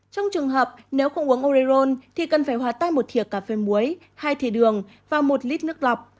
trong trường hợp nếu không uống oreol thì cần phải hòa tay một thịa cà phê muối hai thịa đường và một lít nước lọc